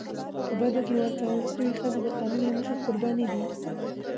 په بدو کي ورکول سوي ښځي د قانون له مخي قرباني دي.